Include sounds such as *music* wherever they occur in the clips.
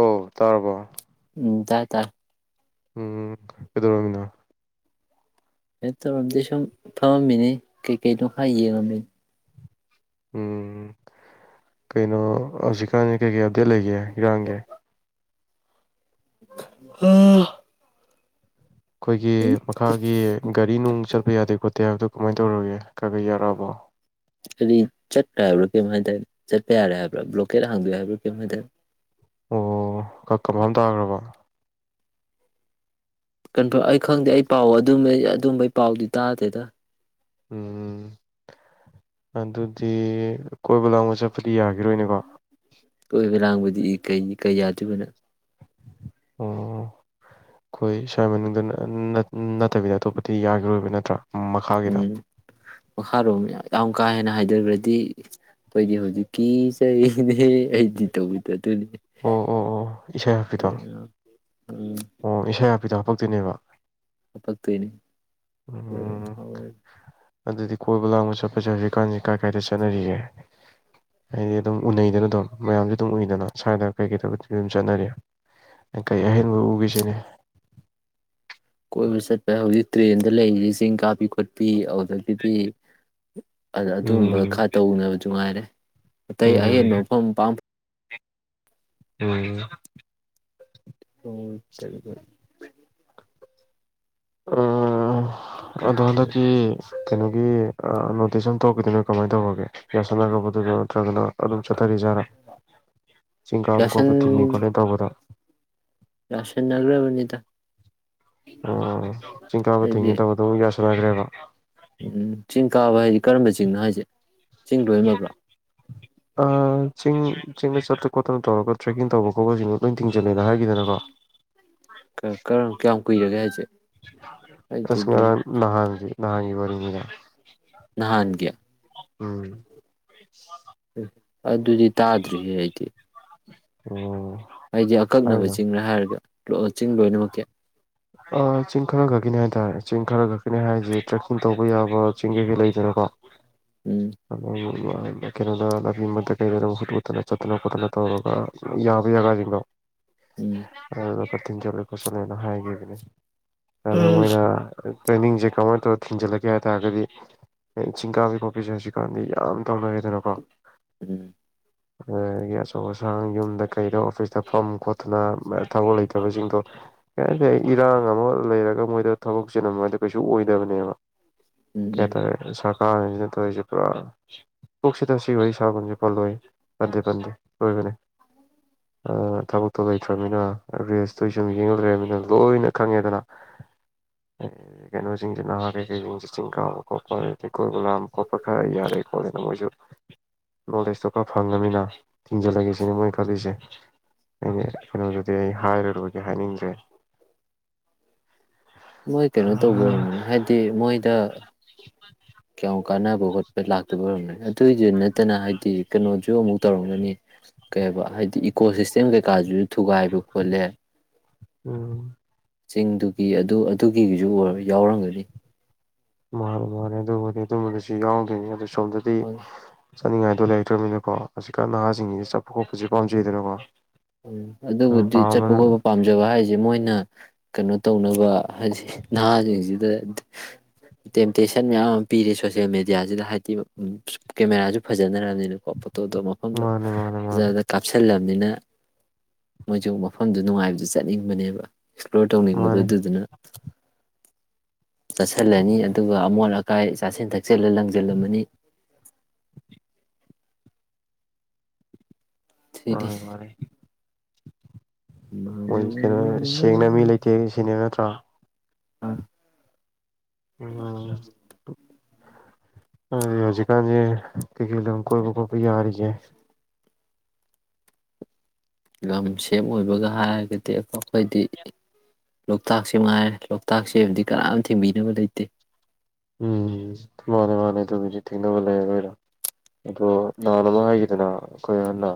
ꯑꯣ ꯇꯥꯔꯕ ꯎꯝ ꯇꯥꯔꯦ ꯇꯥꯔꯦ ꯎꯝ ꯀꯩꯗꯧꯔꯝꯃꯤꯅꯣ ꯀꯩꯁꯨ ꯇꯧꯔꯝꯗꯦ ꯁꯨꯝ ꯐꯝꯃꯝꯃꯤꯅꯤ ꯀꯩꯀꯩꯅꯣ ꯈꯔ ꯌꯦꯡꯉꯝꯃꯤ ꯎꯝ ꯀꯩꯅꯣ ꯍꯧꯖꯤꯛꯀꯥꯟꯖꯤ ꯀꯩꯀꯩ *inaudible* ꯂꯩꯒꯦ ꯏꯔꯥꯡꯒꯤ ꯑꯥ ꯑꯩꯈꯣꯏꯒꯤ ꯃꯈꯥꯒꯤ ꯒꯥꯔꯤ ꯅꯨꯡ ꯆꯠꯄ ꯌꯥꯗꯦ ꯈꯣꯠꯇꯦ ꯍꯥꯏꯕꯗꯣ ꯀꯃꯥꯏꯅ ꯇꯧꯔꯒꯦ ꯈꯔ ꯈ ꯌꯥꯔꯑꯕ *unintelligible* ꯀꯔꯤ ꯆꯠꯄ ꯌꯥꯕ꯭ꯔꯥ ꯀꯩꯅꯣꯝ ꯍꯥꯏꯗꯥꯏꯅꯦ ꯆꯠꯄ ꯌꯥꯔꯦ ꯍꯥꯏꯕ꯭ꯔꯥ ꯕ꯭ꯂꯣꯀꯦꯠ ꯍꯥꯡꯗꯣꯛꯑꯦ ꯍꯥꯏꯕ꯭ꯔꯥ ꯀꯩꯅꯣꯝ ꯍꯥꯏꯗꯥꯏꯅꯦ ꯑꯣ ꯀ ꯀꯟꯐꯥꯔꯝ ꯇꯥꯈ꯭ꯔꯕ ꯀꯟꯐꯥꯔꯝ ꯑꯩ ꯈꯪꯗꯦ ꯑꯩ ꯄꯥꯎ ꯑꯗꯨꯝꯕꯩ ꯑꯗꯨꯝꯕꯩ ꯄꯥꯎꯗꯤ ꯇꯥꯗꯦꯗ ꯎꯝ ꯑꯗꯨꯗꯤ ꯀꯣꯏꯕ ꯂꯥꯡꯕ ꯆꯠꯄꯗꯤ ꯌꯥꯈꯤꯔꯣꯏꯅꯦꯀꯣ ꯀꯣꯏꯕ ꯂꯥꯡꯕꯗꯤ ꯏ ꯀꯩ ꯀꯩ ꯌꯥꯗꯣꯏꯕ ꯅꯪ ꯑꯣ ꯈꯤꯏ ꯁꯥꯏ *unintelligible* ꯅꯠ ꯅꯠ ꯇꯕꯤꯗ ꯑꯇꯣꯞꯄꯗꯤ ꯌꯥꯒꯤꯔꯣꯏꯕ ꯅꯠ ꯎꯝ ꯃꯈꯥꯔꯣꯝ ꯌꯥꯝ ꯀꯥ ꯍꯦꯟꯅ ꯍꯥꯏꯊꯈ꯭ꯔꯗꯤ ꯈꯣꯏꯗꯤ ꯍꯧꯖꯤꯡ ꯀꯤꯆꯩꯅꯦ ꯑꯩꯗꯤ ꯇꯧꯕꯤꯗ ꯑꯣ ꯑꯣ ꯑꯣ ꯏꯁꯩ ꯍꯥꯥꯛꯄꯤꯗꯣ ꯎꯝ ꯑꯣ ꯏꯁꯩ ꯍꯥꯞꯄꯤꯗꯣ ꯊꯣꯛꯇꯣꯏꯅꯦꯕ ꯍꯥꯄꯛꯇꯣꯏꯅꯤ ꯎꯝ ꯑꯗꯨꯗꯤ ꯀꯣꯏꯕ ꯂꯥꯡꯕ ꯆꯠꯄ ꯗꯨꯗꯤ ꯍꯩꯖꯤꯛꯀꯥꯟꯖꯤ ꯀꯥꯏ ꯀꯥꯏꯗ ꯆꯠꯅꯔꯤꯒꯦ ꯍꯥꯏꯗꯤ ꯑꯗꯨꯝ ꯎꯅꯩꯗꯅ ꯑꯗꯨꯝ ꯃꯌꯥꯝꯁꯨ ꯑꯗꯨꯝ ꯎꯏꯗꯅ ꯁ꯭ꯋꯥꯏꯗ ꯀꯩꯀꯩ ꯇꯧꯕ ꯑꯗꯨꯝ ꯆꯠꯅꯔꯤ ꯀꯩ ꯎ ꯎꯒꯦꯁꯤꯅꯤ ꯀꯣꯏꯕ ꯆꯠꯄ ꯍꯧꯖꯤꯛ ꯇ꯭ꯔꯦꯟꯗ ꯂꯩꯔꯤ ꯆꯤꯡ ꯀꯥꯞꯄꯤ ꯈꯣꯠꯄꯤ ꯑꯗꯨꯒꯤꯗꯤ ꯑꯗꯨꯒꯝꯕ ꯎꯝ ꯈꯔ ꯇꯧꯅꯕꯖꯨ ꯉꯥꯏꯔꯦ ꯑꯇꯩ ꯑꯍꯦꯟꯕ ꯎꯝ ꯃꯐꯝ ꯄꯥꯛ ꯎꯝ *inaudible* ꯎꯝ ꯑꯗꯣ ꯍꯟꯗꯛꯀꯤ ꯀꯩꯅꯣꯒꯤ ꯑꯥ ꯅꯣꯇꯤꯁ ꯑꯃ ꯊꯣꯛꯈꯤꯗꯨꯅ ꯀꯃꯥꯏꯅ ꯇꯧꯒ꯭ꯔꯒꯦ ꯌꯥꯁꯥꯟꯅꯒ꯭ꯔꯕꯣꯗꯨꯗꯣ ꯅꯠꯇ꯭ꯔꯒꯅ ꯑꯗꯨꯝ ꯆ ꯊꯔꯤꯖꯥꯠꯂ ꯆꯤꯡ ꯀꯥꯕ ꯌꯥꯁꯟ ꯈꯣꯠꯄ ꯊꯤꯡꯉꯦ ꯈꯣꯠꯂꯦ ꯇꯧꯕꯗꯣ ꯌꯥꯁꯟꯅꯒ꯭ꯔꯕꯅꯤꯗ ꯑꯣ ꯆꯤꯡꯀꯥꯕ ꯊꯤꯡꯉꯦ ꯇꯧꯕꯗꯣ ꯌꯥꯁ ꯁꯟꯅꯒ꯭ꯔꯦꯕ ꯎꯝ ꯆꯤꯡ ꯀꯥꯕ ꯍꯥꯏꯗꯤ ꯀꯔꯝꯕ ꯆꯤꯡꯅꯣ ꯍꯥꯏꯁꯦ ꯆꯤꯡ ꯂꯣꯏꯃꯛꯂꯣ ꯆꯤꯡ ꯆꯤꯡꯗ ꯆꯠꯇꯅ ꯈꯣꯠꯇꯅ ꯇꯧꯔꯒ ꯇ꯭ꯔꯦꯛꯀꯤꯡ ꯇꯧꯕ ꯈꯣꯠꯄꯁꯤꯡꯗꯣ ꯂꯣꯏꯅ ꯊꯤꯡꯖ ꯖꯦꯅꯤꯅꯦ ꯍꯥꯏꯈꯤꯗꯅꯀꯣ ꯀꯔꯝ ꯀꯌꯥꯝ ꯀꯨꯏꯔꯒꯦ ꯍꯥꯏꯁꯦ ꯑꯩꯗꯤ ꯑꯁ ꯑꯗꯨ ꯉꯔꯥꯡ ꯅꯍꯥꯟꯒꯤ ꯉꯍꯥꯟꯒꯤ ꯋꯥꯔꯤꯅꯤꯗ ꯅꯍꯥꯟꯒꯤ ꯎꯝ ꯑꯗꯨꯗꯤ ꯇꯥꯗ꯭ꯔꯤꯍꯦ ꯑꯩꯗꯤ ꯑꯣ ꯍꯥꯏꯗꯤ ꯑꯀꯛꯅꯕ ꯍꯥꯏꯕꯗꯣ ꯆꯤꯂ ꯍꯥꯏꯔꯒ ꯂꯣ ꯆꯤꯡ ꯂꯣꯏꯅꯃꯛꯀꯤ ꯑꯥ ꯆꯤꯡ ꯈꯔ ꯈꯛꯀꯤꯅꯤ ꯍꯥꯏꯇꯥꯔꯦ ꯆꯤꯡ ꯈꯔ ꯈꯛꯀꯤꯅꯦ ꯍꯥꯏꯔꯤꯁꯦ ꯇ꯭ꯔꯦꯛꯀꯤꯡ ꯇꯧꯕ ꯌꯥꯕ ꯆꯤꯡ ꯀꯩꯀꯩ ꯂꯩꯗꯅꯀꯣ ꯎꯝ *inaudible* ꯀꯩꯅꯣꯗ ꯂꯝꯕꯤꯡꯕꯗ ꯀꯩꯗ ꯃꯍꯨꯠ ꯎꯨꯠꯇꯅ ꯆꯠꯇꯅ ꯈꯣꯠꯇꯅ ꯇꯧꯔꯒ ꯌꯥꯕ ꯌꯥꯒꯥꯁꯤꯡꯗꯣ ꯎꯝ ꯑ ꯊꯤꯟ ꯆꯜꯂꯦ ꯈꯣꯠꯆꯜꯂꯦꯅ ꯍꯥꯏꯈꯤꯕꯅꯤ ꯎꯝ ꯇ꯭ꯔꯦꯟꯅꯤꯡꯁꯦ ꯀꯃꯥꯏꯅ ꯇꯧꯔ ꯊꯤꯟꯖꯤꯜꯂꯒꯦ ꯍꯥꯏꯇꯥꯔꯒꯗꯤ ꯆꯤꯡ ꯀꯥꯕꯤ ꯄꯣꯄꯤꯁꯦ ꯍꯧꯛ ꯀꯥꯟꯗꯤ ꯌꯥꯝ ꯇꯧꯅꯔꯦꯗꯅꯀꯣ ꯎꯝ ꯑꯗꯒꯤ ꯑꯆꯧ ꯑꯁꯥꯡ ꯌꯨꯝꯗ ꯀꯩꯗ ꯑꯣꯐꯤꯁꯇ ꯐꯝ ꯈꯣꯠꯇꯨꯅ ꯊꯕꯛ ꯂꯩꯇꯕꯁꯤꯡꯗꯣ ꯀꯩꯁꯦ ꯏꯔꯥꯡ ꯑꯃ ꯂꯩꯔꯒ ꯃꯣꯏꯗ ꯊꯕꯛꯁꯦꯅ ꯃꯣꯏꯗ ꯀꯩꯁꯨ ꯑꯣꯏꯗꯕꯅꯦꯕ ꯎꯝ ꯀ ꯎꯝ ꯇ ꯀꯥꯉꯁꯤꯗꯤ ꯇꯧꯣꯏꯁꯦ ꯄꯨꯔꯥ ꯄꯨꯣꯛꯁꯤꯗ ꯁꯤ ꯋꯥꯔꯤꯣꯏ ꯁꯥꯒꯣꯟꯁꯦ ꯄꯜꯂꯣꯏ ꯄꯟꯗꯦ ꯄꯟꯗꯦ ꯂꯣꯏꯕꯅꯦ ꯊꯕꯛꯇꯣ ꯂꯩꯇ꯭ꯔꯕꯅꯤꯅ ꯔꯦꯁꯇꯨ ꯁꯨꯝ ꯌꯦꯡꯍꯜ ꯂꯩꯃꯤꯅ ꯂꯣꯏꯅ ꯈꯪꯉꯦꯗꯅ ꯀꯩꯅꯣꯁꯤꯡꯁꯤꯦ ꯅꯍꯥ ꯀꯩꯀꯩꯁꯤꯡꯁ ꯆꯤꯡ ꯀꯥꯕ ꯈꯣꯠꯄ ꯑꯗꯒꯤ ꯀꯣꯏꯕ ꯂꯥꯝꯕ ꯈꯣꯠꯄ ꯈ ꯈꯔ ꯌꯥꯔꯦꯀꯣꯂꯅ ꯃꯣꯏꯁꯨ ꯅꯣꯂꯦꯖꯇꯣ ꯈꯔ ꯐꯪꯉꯅꯤꯅ ꯊꯤꯡꯖꯤꯜꯂꯒꯦꯁꯤꯅꯦ ꯃꯣꯏ ꯈꯜꯂꯤꯁꯦ ꯑꯩꯅ ꯀꯩꯅꯣꯗꯨꯗꯤ ꯑꯩ ꯍꯥꯏꯔꯨꯔꯒꯦ ꯍꯥꯏꯅꯤꯡꯗ꯭ꯔꯦ ꯃꯣꯏ ꯀꯩꯅꯣ ꯇꯧꯕ ꯎ ꯑꯣꯏꯔꯝꯒꯅꯤ ꯍꯥꯏꯗꯤ ꯃꯣꯏꯗ ꯀꯌꯥꯝ ꯀꯥꯟꯅꯕ ꯈꯣꯠꯄ ꯂꯥꯛꯇꯕ ꯑꯣꯏꯅ ꯑꯗꯨꯏꯗꯨ ꯅꯠꯇꯅ ꯍꯥꯏꯗꯤ ꯀꯩꯅꯣꯁꯨ ꯑꯃꯨꯛ ꯇꯧꯔꯝꯒꯅꯤ ꯀꯩ ꯍꯥꯏꯕ ꯍꯥꯏꯗꯤ ꯏꯀꯣ ꯁꯤꯁꯇꯦꯝ ꯀꯩꯀꯥꯁꯨ ꯊꯨꯒꯥꯏꯕ ꯈꯣꯠꯂꯦ ꯎꯝ ꯆꯤꯡꯗꯨꯒꯤ ꯑꯗꯨ ꯑꯗꯨꯒꯤꯒꯤꯁꯨ ꯑꯣꯏ ꯌꯥꯎꯔꯝꯒꯅꯤ ꯃꯥꯅꯤ ꯃꯥꯅꯦ ꯑꯗꯨꯕꯨꯗꯤ ꯑꯗꯨꯝꯕꯗꯨꯁꯨ ꯌꯥꯎꯗꯣꯏꯅꯤ ꯑꯗꯨꯁꯨ ꯁꯣꯝꯗꯗꯤ ꯆꯠꯅꯤꯡꯉꯥꯏꯗꯣ ꯂꯩꯔꯛꯇ꯭ꯔꯕꯅꯤꯅꯀꯣ ꯍꯧꯖꯤꯛꯀꯥꯟ ꯅꯍꯥꯁꯤꯡꯒꯤꯁꯤꯗꯤ ꯆꯠꯄ ꯈꯣꯠꯄꯁꯤ ꯄꯥꯝꯖꯩꯗꯅꯀꯣ ꯎꯝ ꯑꯗꯨꯅ ꯑꯗꯨꯕꯨꯗꯤ ꯆꯠꯄ ꯄꯥꯝꯕꯅ ꯈꯣꯠꯄ ꯄꯥꯝꯖꯕ ꯍꯥꯏꯁꯦ ꯃꯣꯏꯅ ꯀꯩꯅꯣ ꯇꯧꯅꯕ ꯍꯥꯏꯗꯤ ꯅꯍꯥꯁꯤꯡꯁꯤꯗ ꯇꯦꯝꯇꯦꯁꯟ ꯃꯌꯥꯝ ꯑꯃ ꯄꯤꯔꯤ ꯁꯣꯁꯦꯜ ꯃꯦꯗꯤꯌꯥꯁꯤꯗ ꯍꯥꯏꯗꯤ ꯀꯦꯃꯦꯔꯥꯁꯨ ꯐꯖꯅꯅ ꯄꯣꯇꯣꯣ ꯃꯐꯝꯗꯣ ꯃꯥꯅꯦ ꯃꯥꯅꯦ ꯃꯥꯅꯦ ꯐꯖ ꯀꯥꯞꯁꯤꯜꯂ ꯑꯗꯨꯅ ꯃꯣꯏꯁꯨ ꯃꯐꯝꯗꯨ ꯅꯨꯡꯉꯥꯏꯕꯗꯨ ꯆꯠꯅꯤꯡꯕꯅꯦꯕ ꯑꯦꯛꯁꯄ꯭ꯂꯣꯔ ꯇꯧꯅꯤꯡꯕꯗꯣ ꯃꯥꯅꯦ ꯑꯗꯨꯗꯨꯅ ꯆꯠꯁꯤꯜꯂꯅꯤ ꯑꯗꯨꯒ ꯑꯃꯣꯠ ꯀꯥꯏ ꯆꯥꯁꯤꯟꯊꯛ ꯛꯆꯦꯜꯂ ꯂꯥꯡꯖꯜꯂꯝ ꯑꯃꯅꯤ *unintelligible* ꯁꯤꯗꯤ ꯃꯥꯦ ꯃꯥꯦ ꯃꯣꯏ ꯀꯩꯅꯣ ꯁꯦꯡꯅ ꯃꯤ ꯂꯩꯇꯦ ꯁꯤꯅꯦꯕ ꯅꯠꯇ꯭ꯔꯣ ꯑꯥ ꯎꯝ ꯑꯗꯨꯗꯤ ꯍꯧꯖꯤꯛꯀꯥꯟꯁ ꯀꯩꯀꯩ ꯑꯗꯨ ꯀꯣꯏꯕ ꯈꯣꯠꯄ ꯌꯥꯔꯤꯌꯦꯦ ꯂꯝ ꯁꯦꯝ ꯑꯣꯏꯕꯒ ꯍꯥꯏꯔꯒꯗꯤ ꯑꯩꯈꯣꯏꯗꯤ ꯂꯣꯛꯇꯥꯛꯁꯤꯦ ꯃꯥꯏꯔꯦ ꯂꯣꯛꯇꯥꯛ ꯁꯦꯝꯦꯕꯗꯤ ꯀꯅꯥꯝ ꯊꯤꯡꯕꯤꯅꯕ ꯂꯩꯇꯦ ꯎꯝ ꯃꯥꯅꯦ ꯃꯥꯅꯦ ꯑꯗꯨꯕꯨꯗꯤ ꯊꯦꯡꯅꯕ ꯂꯩꯔ ꯂꯣꯏꯔꯥ ꯑꯗꯣ ꯅꯍꯥꯟ ꯑꯃ ꯍꯥꯏꯈꯤꯗꯅ ꯑꯩꯈꯣꯏ ꯑꯍꯟꯅ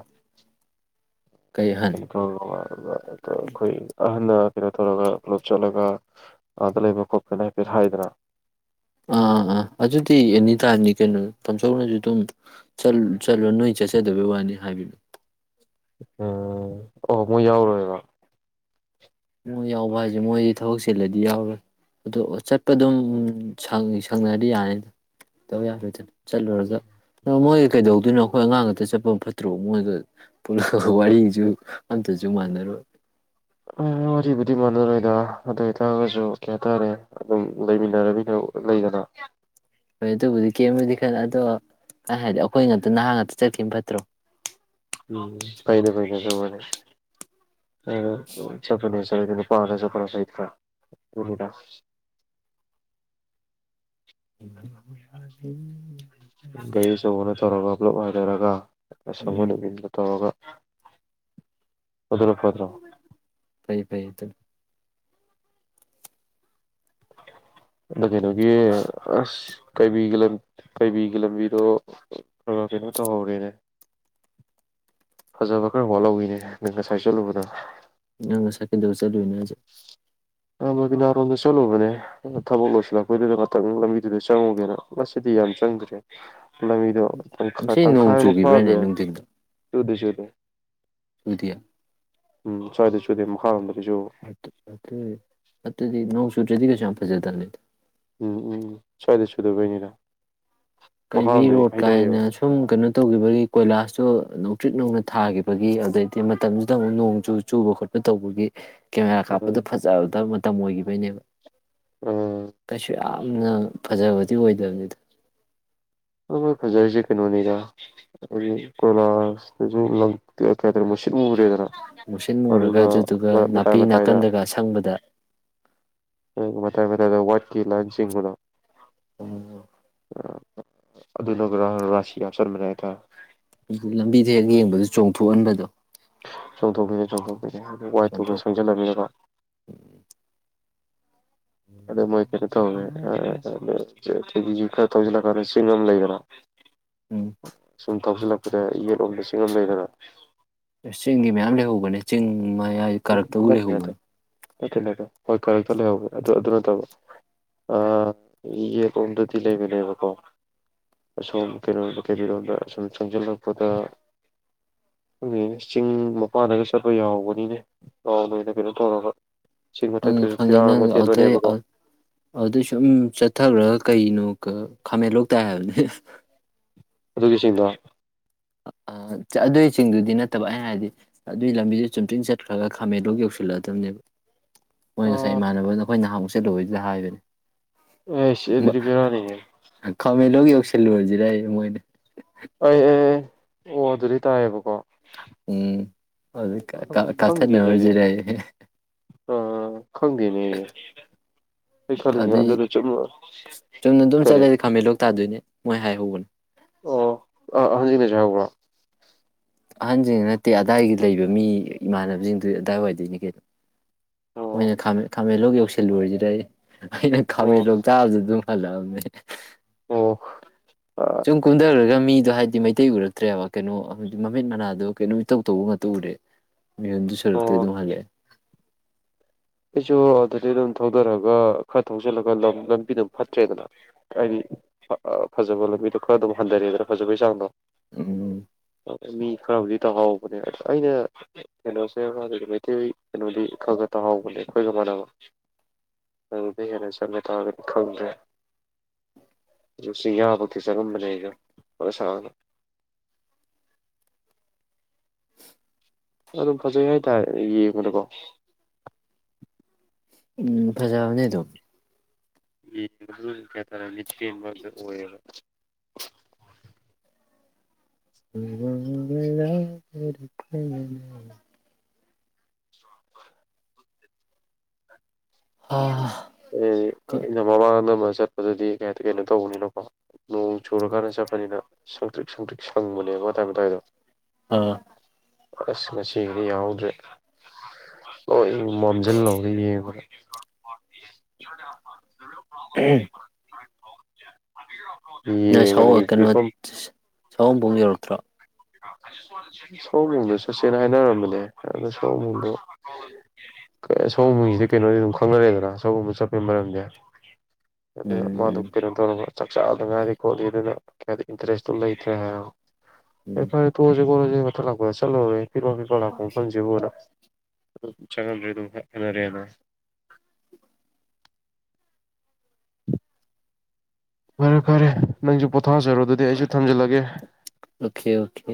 ꯀꯩ ꯑꯍꯟ ꯌꯥꯝ ꯅꯨꯡꯉꯥꯏ ꯅꯨꯡ ꯑꯗꯣ ꯑꯩꯈꯣꯏ ꯑꯍꯅ ꯀꯩꯅꯣ ꯇꯧꯔꯒ ꯀ꯭ꯂꯣꯠ ꯆꯠꯂꯒ ꯑꯥꯗ ꯂꯩꯕ ꯀꯣꯄꯦꯦꯟ ꯍꯥꯏꯐꯦꯠ ꯍꯥꯏꯗꯅ ꯑꯥ ꯑꯥ ꯑꯥ ꯑꯗꯨꯗꯤ ꯑꯦꯅꯤ ꯇꯥꯏꯝꯅꯤ ꯀꯩꯅꯣ ꯇꯥꯝꯁꯧꯅꯁꯨ ꯑꯗꯨꯝ ꯆꯠꯂꯣ ꯅꯣꯏ ꯆꯠꯆꯗꯕꯩ ꯋꯥꯅꯤ ꯍꯥꯏꯕꯤꯅꯨ ꯎꯝ ꯑꯣ ꯃꯣꯏ ꯌꯥꯎꯔꯣꯏꯕ ꯃꯣꯏ ꯌꯥꯎꯕ ꯍꯥꯏꯁꯦ ꯃꯣꯏꯗꯤ ꯊꯕꯛ ꯆꯤꯜꯂꯗꯤ ꯌꯥꯎꯔꯣꯏ ꯑꯗꯣ ꯆꯠꯄ ꯑꯗꯨꯝ ꯁꯪꯅꯔꯗꯤ ꯌꯥꯅꯤꯗꯧ ꯌꯥꯔꯣꯏ ꯆꯠꯂꯨꯔꯒ ꯣꯏ ꯀꯩꯗꯧꯗꯣꯏꯣꯈꯣꯏ ꯑꯉꯥꯡ ꯑꯇ ꯆꯠꯄ ꯑꯃ ꯐꯠꯇ꯭ꯔꯣ ꯃꯣꯏꯗꯣ ꯄꯨꯂ ꯋꯥꯔꯤꯁꯨ ꯑꯇꯁꯨ ꯋꯥꯥꯟꯅꯔ ꯋꯥꯔꯤꯔꯤꯕꯨꯗꯤ ꯃꯥꯟꯅꯔꯣꯏꯗ ꯑꯗꯨ ꯑꯣꯏꯇꯥꯔꯒꯁꯨ ꯀꯩ ꯍꯥꯏꯇꯥꯔꯦ ꯑꯗꯨꯝ ꯂꯩꯃꯤꯟꯅꯔꯃꯤꯅ ꯂꯩꯗꯅ ꯍꯣꯏ ꯑꯗꯨꯕꯨꯗꯤ ꯀꯦꯝꯕꯨꯗꯤ ꯈꯂ ꯑꯗꯣ ꯀ ꯍꯥꯏꯗꯤ ꯑꯩꯈꯣꯏ ꯉꯥꯛꯇ ꯅꯍꯥꯟ ꯉꯥꯛꯇ ꯆꯠꯀꯅ ꯐꯠꯇ꯭ꯔꯣ ꯎꯝ ꯄꯩꯅꯦ ꯄꯩꯗ ꯁꯅꯦꯦ ꯍ ꯆꯄꯅꯦ ꯆ ꯄꯥꯔꯁꯨ ꯐꯔ ꯁꯍꯤꯠ ꯈꯔ ꯎ ꯏꯁ ꯀ ꯁꯅ ꯊꯧꯔꯒ ꯄꯨꯞ ꯑꯣꯏꯅꯔꯒ ꯁꯣꯕ ꯎꯝ ꯅꯨꯕꯤꯟꯗ ꯇꯧꯔꯒ ꯀꯗꯔꯣ ꯀꯗꯔꯣ ꯐꯩ ꯐꯩ ꯑꯗꯨ ꯅ ꯀꯩꯅꯒꯤ ꯑꯁ ꯀꯩꯕꯤꯒꯤ ꯂꯝ ꯀꯩꯕꯤꯒꯤ ꯂꯝꯕꯤꯗꯣ ꯈꯔ ꯀꯩꯅꯣ ꯇꯧꯍꯧꯔꯦꯅꯦ ꯐꯖꯕ ꯈꯔ ꯋꯥꯠꯍꯧꯋꯤꯅꯦ ꯅꯪ ꯉꯁꯥꯏ ꯆꯠꯂꯨꯕꯗ ꯑꯪ ꯁꯀꯦꯗꯁ ꯆꯠꯂꯣꯏꯅꯦ ꯍꯧꯁꯦ ꯕꯕꯤꯅꯥꯔꯣꯝꯗ ꯆꯠꯂꯨꯕꯅꯦ ꯊꯕꯛ ꯂꯣꯏꯁꯤꯜꯂꯛꯄꯩꯗꯨꯗ ꯉꯥꯛꯇꯪ ꯂꯝꯕꯤꯗꯨꯗ ꯆꯪꯉꯨꯒꯦꯅ ꯃꯁꯤꯗꯤ ꯌꯥꯝ ꯆꯪꯗ꯭ꯔꯦ ꯂꯝꯕꯤꯗꯣ ꯉꯁꯤ ꯅꯣꯡ ꯇꯪꯈꯥꯏꯕ ꯆꯨꯈꯤꯕ꯭ꯔꯥꯅꯦ ꯐꯕꯦ ꯆꯣꯏꯗꯦ ꯆꯣꯏꯗꯦ ꯁꯋꯗꯤꯌꯥ ꯎꯝ ꯁ꯭ꯋꯥꯏꯗ ꯁꯨꯨꯗꯦ ꯃꯈꯥꯔꯣꯝꯗ ꯁꯨꯕ ꯑꯥꯠ ꯑꯇ ꯑꯗꯨꯗꯤ ꯅꯪ ꯆꯨꯗ꯭ꯔꯗꯤ ꯀꯩꯁꯨ ꯌꯥꯝ ꯐꯖꯗꯕꯅꯤꯗ ꯎꯝ ꯎꯝ ꯁ꯭ꯋꯥꯏꯗ ꯆꯨꯗꯕꯩꯅꯤꯗ ꯀꯩꯕꯤ ꯃꯈꯥꯔꯣꯝꯗꯗꯤ ꯔꯣꯠ ꯍꯩꯊꯩꯌꯦꯕ ꯀꯥꯏꯅ ꯁꯨꯝ ꯀꯩꯅꯣ ꯇꯧꯈꯤꯕꯒꯤ ꯀꯣꯏꯂꯥꯁꯇꯣ ꯇ꯭ꯔꯤꯛ ꯂꯪꯅ ꯊꯥꯈꯤꯕꯒꯤ ꯑꯗꯩꯗꯤ ꯃꯇꯝꯗꯨꯗ ꯑꯃꯨꯛ ꯅꯣꯡꯁꯨ ꯆꯨꯕ ꯈꯣꯠꯄ ꯇꯧꯕꯒꯤ ꯀꯦꯃꯦꯔꯥ ꯎꯝ ꯀꯥꯞꯄꯗꯨ ꯐꯖꯕ ꯃꯇꯝ ꯑꯣꯏꯈꯤꯕꯩꯅꯦꯕ ꯎꯝ ꯀꯩꯁꯨ ꯌꯥꯝ ꯌꯥꯝꯅ ꯐꯖꯕꯗꯤ ꯑꯣꯏꯗꯕꯅꯤꯗ ꯃꯣꯏꯖꯦ ꯐꯖꯔꯤꯁꯦ ꯀꯩꯅꯣꯅꯤꯗ ꯍꯥꯏꯗꯤ ꯀꯣꯏꯂꯥꯁꯇꯁꯨ ꯂꯩ ꯃꯨꯁꯤꯟ ꯃꯨꯨꯔꯦꯗꯅ ꯃꯨꯁꯤꯟ ꯃꯨꯔꯒ ꯑꯗꯨꯒ ꯑꯗꯨꯗꯨꯒ ꯃꯇꯥꯏ ꯅꯥꯄꯤ ꯃꯇꯥꯏꯗ ꯅꯥꯀꯟꯗꯒ ꯑꯁꯪꯕꯗ ꯀꯦꯃꯦꯔꯥꯗ ꯋꯥꯏꯠꯀꯤ ꯂꯥꯏꯟ ꯆꯤꯡꯕꯗꯣ ꯎꯝ ꯑꯗꯨꯅꯒ ꯔ ꯔꯥꯁꯤ ꯍꯥꯞꯆꯟꯕꯅꯦ ꯍꯥꯏ ꯇꯥꯔꯦ ꯑꯗꯨ ꯂꯝꯕꯤꯗꯣ ꯍꯦꯛ ꯌꯦꯡꯕꯗ ꯆꯣꯡꯊꯣꯛꯍꯟꯕꯗꯣ ꯆꯣꯡꯊꯣꯛꯄꯅꯦ ꯆꯣꯡꯊꯣꯛ ꯑꯗꯨ ꯋꯥꯏꯇꯨꯒ ꯆꯣꯡꯊꯣꯛ ꯁꯪꯖꯜꯂꯕꯅꯤꯅꯀꯣ ꯑꯗꯨ ꯃꯣꯏ ꯀꯩꯅꯣ ꯇꯧꯕꯩ *inaudible* ꯀꯩꯕꯤꯁꯦ ꯈꯔ ꯊꯧꯖꯜꯂ ꯀꯥꯟꯗ ꯆꯤꯡ ꯑꯃ ꯂꯩꯗꯅ ꯎꯝ ꯁꯨꯝ ꯊꯧꯖꯜꯂꯛ ꯑꯗ ꯌꯦꯠꯂꯣꯝ ꯆꯤꯡ ꯑꯃ ꯂꯩꯗꯅ ꯑꯦ ꯆꯤꯡꯗꯤ ꯃꯌꯥꯝ ꯂꯩꯍꯧꯕꯅꯦ ꯆꯤꯡ ꯃꯌꯥꯏ ꯀꯥꯔꯛꯇꯕꯨ ꯅꯠꯇꯦ ꯅꯠꯇꯦ ꯂꯩꯍꯧꯕꯅꯦ ꯅꯠꯇꯦ ꯅꯠꯇꯦ ꯍꯣꯏ ꯀꯔꯛꯇ ꯂꯩꯍꯧꯋꯦ ꯑꯗꯨ ꯑꯗꯨ ꯅꯠꯇꯕ ꯑꯥ ꯌꯦꯠꯂꯣꯝꯗꯗꯤ ꯂꯩꯕꯅꯦꯕꯀꯣ ꯑꯁꯣꯝ ꯀꯩꯅꯣꯝ ꯀꯩꯕꯤꯔꯣꯝꯗ ꯁꯨꯝ ꯆꯪꯖꯜꯂꯛꯄꯗ ꯈꯪꯗꯦꯅꯦ ꯆꯤꯡ ꯃꯄꯥꯟꯗꯒ ꯆꯠꯄ ꯌꯥꯎꯕꯅꯤꯅꯦ ꯔꯥꯎꯟ ꯑꯣꯏꯅ ꯀꯩꯅꯣ ꯇꯧꯔꯒ ꯆꯤꯡ ꯈꯪꯉꯦ ꯃꯊꯛꯇꯁꯨ ꯈꯪꯉꯦ ꯐꯤꯔꯥꯜ ꯅꯪ ꯑꯃ ꯑ ꯑꯗꯩ ꯊꯦꯠꯄꯅꯦꯕꯀꯣ ꯑꯗꯩ ꯁꯨꯝ ꯆꯠꯊꯈ꯭ꯔꯒ ꯀꯩꯅꯣ ꯈꯃꯦꯜꯂꯣꯛ ꯇꯥꯏ ꯍꯥꯏꯕꯅꯤ ꯗꯨꯒꯤ ꯆꯤꯡꯗꯣ ꯑꯗꯨꯏ ꯆꯤꯡꯗꯨꯗꯤ ꯅꯠꯇꯕ ꯑꯩ ꯍꯥꯏꯗꯤ ꯑꯗꯨꯒꯤ ꯂꯝꯕꯤꯗꯨ ꯆꯨꯝꯇ꯭ꯔꯤꯡ ꯆꯠꯈ꯭ꯔꯒ ꯈꯥꯃꯦꯟꯂꯣꯛ ꯌꯧꯁꯤꯜꯂꯛꯑꯗꯕꯅꯦꯕ ꯃꯣꯏ ꯉꯁꯥꯏ ꯏꯃꯥꯟꯅꯕꯅ ꯅꯈꯣꯏ ꯅꯍ ꯆꯠꯂꯨꯕꯩꯗꯨꯗ ꯍꯥꯏꯕꯅꯦ ꯑꯩꯁ ꯑꯗꯨꯗꯤ ꯕꯦꯔꯥꯅꯤꯍꯦ ꯂꯣꯛ ꯌꯧꯁꯤꯜꯂꯨꯔꯁꯤꯔꯌꯦ ꯃꯣꯏꯅ ꯑꯩ ꯑꯦ ꯑꯦ ꯑꯣ ꯑꯗꯨꯗꯩ ꯇꯥꯏꯌꯦꯕꯀꯣ ꯎꯝ ꯑꯗꯨꯗꯩꯩ ꯀꯥ ꯀꯥ ꯀꯥꯞꯊꯠ ꯅꯔꯨꯔꯁꯤꯔꯥꯌꯦ ꯑꯥ꯫ ꯈꯪꯗꯦꯅꯦꯑꯩ ꯑꯩ ꯈꯜꯂꯤꯁꯤ ꯑꯗꯨꯏ ꯑꯗꯨꯗꯖꯨ ꯑꯃꯨꯛ ꯆꯨꯝꯅ ꯑꯗꯨꯝ ꯀꯔꯤ꯫ ꯆꯠꯂꯗꯤ ꯈꯥꯃꯦꯟꯂꯣꯛ ꯇꯥꯗꯣꯏꯅꯦ ꯃꯣꯏ ꯍꯥꯏꯍꯧꯕꯅꯤ꯫ ꯑꯣ ꯑ *unintelligible* ꯑꯍꯟꯁꯤꯡꯅ ꯅꯠꯇꯦ ꯑꯗꯥꯏꯒꯤ ꯂꯩꯕ ꯃꯤ ꯏꯃꯥꯟꯅꯕꯁꯤꯡꯗꯨ ꯑꯗꯥꯏ ꯋꯥꯏꯗꯣꯏꯅꯤ ꯀꯩꯅꫭ ꯑꯣ ꯃꯣꯏꯅ ꯈꯥꯃꯦꯟꯂꯣꯛ ꯌꯧꯁꯤꯜꯂꯨꯔꯤꯁꯤꯔꯌꯦ꯫ ꯑꯩꯅ ꯑꯣ ꯈꯥꯃꯦꯟ ꯂꯣꯛ ꯇꯥꯕꯗꯨꯗ ꯑꯗꯨꯝ꯫ ꯍꯜꯂꯛꯑꯃꯤ ꯑꯩ꯫ ꯑꯣ꯫ ꯑꯥ ꯁꯨꯝ ꯀꯨꯝꯗꯒ꯭ꯔꯨꯒ ꯃꯤꯗꯣ ꯍꯥꯏ꯫ ꯃꯩꯇꯩ ꯎꯔꯛꯇ꯭ꯔꯦꯕ ꯀꯩꯅꯣ ꯃꯃꯤꯠ ꯃꯅꯥꯗꯣ ꯀꯩꯅꯣꯝ ꯏꯇꯧ ꯇꯧꯕ ꯉꯥꯇ ꯎꯔꯦ꯫ ꯃꯤꯍꯨꯟꯖꯨ ꯁꯨꯔꯛꯇ꯭ꯔꯦ ꯑꯣ ꯑꯗꯨꯝ ꯍꯜꯂꯛꯑꯦ꯫ ꯑꯩꯁꯨ ꯑꯗꯨꯗꯤ ꯑꯗꯨꯝ ꯊꯧꯗꯔꯒ ꯈꯔ ꯊꯧꯖꯤꯜꯂꯒ ꯂꯝꯕꯤ ꯑꯗꯨꯝ ꯐꯠꯇ꯭ꯔꯦꯗꯅ ꯍꯥꯏꯗꯤ ꯐꯖꯕ ꯂꯝꯕꯤꯗꯣ ꯈꯔ ꯑꯗꯨꯝ ꯍꯟꯊꯔꯦꯗꯅ ꯐꯖꯕꯩ ꯆꯥꯡꯗꯣ꯫ ꯎꯝ꯫ ꯃꯤ ꯈꯔꯕꯨꯗꯤ ꯇꯥꯍꯥꯎꯕꯅꯦ ꯑꯩꯅ ꯀꯩꯅꯣ *unintelligible* ꯃꯩꯇꯩ ꯀꯩꯅꯣꯗꯤ ꯈꯔꯈꯛ ꯇꯥꯍꯧ꯫ ꯍꯧꯕꯅꯦ ꯑꯩꯈꯣꯏꯒꯃꯥꯟꯅꯕ ꯑꯗꯨꯗꯩ ꯍꯦꯟꯅ ꯆꯪꯉ ꯇꯥꯔꯒꯗꯤ ꯈꯪꯗ꯭ꯔꯦ ꯑꯗꯨ ꯆꯤꯡꯌꯥꯕꯨꯛꯇꯤ ꯆꯪꯉꯝꯕꯅꯦ ꯑꯩꯖꯨ ꯐꯅ ꯁꯥꯡꯅ꯫ ꯑꯗꯨꯝ ꯐꯖꯩ ꯍꯥꯏꯇꯥꯔꯦ ꯌꯦꯡꯕꯗꯀꯣ꯫ ꯎꯝ ꯐꯖꯕꯅꯦ ꯑꯗꯨꯝ꯫ ꯌꯦꯡꯕꯗ ꯑꯗꯨꯝ ꯃꯤꯠꯄꯦꯟꯕꯗꯨ ꯑꯣꯏꯌꯦꯕ꯫ *unintelligible* ꯑꯥ꯫ *unintelligible* ꯆꯠꯄꯗꯗꯤ ꯀꯩ ꯍꯥꯏ ꯀꯩꯅꯣ ꯇꯧꯕꯅꯤꯅꯀꯣ ꯅꯣꯡ ꯆꯨꯔꯀꯥꯟꯗ ꯆꯠꯄꯅꯤꯅ ꯁꯪꯇ꯭ꯔꯤꯛ ꯁꯪꯇ꯭ꯔꯤꯛ ꯁꯪꯕꯅꯦꯕ ꯃꯇꯥꯏ ꯃꯇꯥꯏꯗꯣ꯫ ꯑꯥ꯫ ꯑꯁ ꯉꯁꯤꯒꯤꯗꯤ ꯌꯦꯡꯍꯧꯗ꯭ꯔꯦ ꯂꫭꯏ ꯃꯝꯁꯤꯜꯍꯧꯔꯦ ꯌꯦꯡꯕꯗ꯫ *unintelligible* *unintelligible* *unintelligible* *unintelligible* ꯌꯧꯔꯛꯇ꯭ꯔꯣ *unintelligible* ꯁꯣꯝꯕꯨꯡꯗ ꯆꯠꯁꯦꯅ ꯍꯥꯏꯅꯔꯝꯕꯅꯦ ꯑꯗ ꯁꯣꯝꯕꯨꯡꯗꯣ ꯁꯣꯝꯕꯨꯡꯁꯤꯗꯤ ꯀꯩꯅꯣꯗꯤ ꯑꯗꯨꯝ ꯈꯪꯅꯔꯦꯗꯅ ꯁꯣꯝꯕꯨꯡ ꯆꯠꯄꯒꯤ ꯃꯔꯝꯗꯤ꯫ ꯎꯝ ꯑꯗꯨꯅ ꯃꯥꯗꯨ ꯎꯝ ꯀꯩꯅꯣ ꯇꯧꯔꯒ ꯆꯥꯛꯆꯥꯗ ꯉꯥꯏꯔꯤ ꯈꯣꯠꯂꯤ ꯑꯗꯨꯅ꯫ ꯏꯟꯇꯔꯦꯁ ꯂꯩ꯫ *unintelligible* ꯑꯦ ꯎꯝ ꯐꯔꯦ ꯇꯣꯛꯑꯁꯤ ꯈꫭꯠꯂꯁꯤ꯫ *unintelligible* ꯄꯤꯠꯄꯥ ꯄꯤꯠꯄꯥ ꯂꯥꯛꯄ ꯃꯐꯝꯁꯤꯕꯨꯅ꯫ ꯆꯪꯉꯝꯗ꯭ꯔꯦ ꯑꯗꯨꯝ ꯍꯟꯅꯔꯛꯑꯦꯅ꯫ ꯐꯔꯦ ꯐꯔꯦ ꯅꯪꯖꯨ꯫ ꯄꯣꯊꯥꯖꯔꫭ ꯑꯗꯨꯗꯤ ꯑꯩꯖꯨ ꯊꯝꯖꯜꯂꯒꯦ꯫ Okay okay